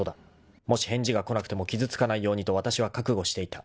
［もし返事が来なくても傷つかないようにとわたしは覚悟していた］